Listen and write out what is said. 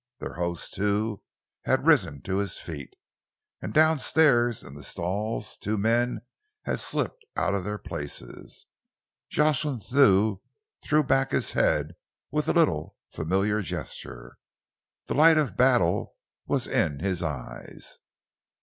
Their host, too, had risen to his feet, and down stairs in the stalls two men had slipped out of their places. Jocelyn Thew threw back his head with a little familiar gesture. The light of battle was in his eyes.